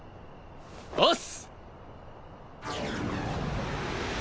押忍！